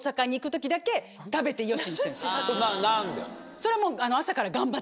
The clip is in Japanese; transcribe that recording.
それはもう。